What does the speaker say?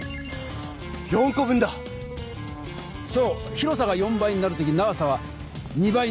広さが４倍になる時長さは２倍になる。